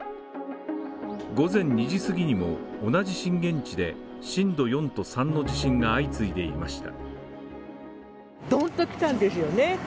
午前２時過ぎにも同じ震源地で震度４と３の地震が相次いでいました。